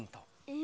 え。